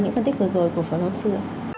những phân tích vừa rồi của phó giáo sư